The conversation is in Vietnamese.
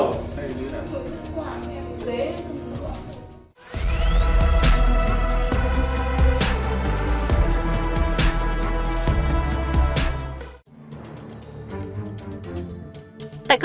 giúp qua thanh cầu